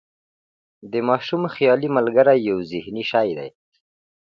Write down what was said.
د ماشوم خیالي ملګری یو ذهني شی دی.